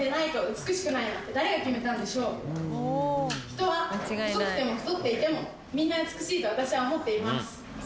人は細くても太っていてもみんな美しいと私は思っています。